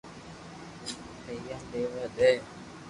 پيوا ليوا دي